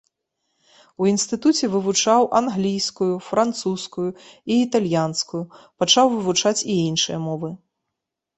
У інстытуце вывучаў англійскую, французскую і італьянскую, пачаў вывучаць і іншыя мовы.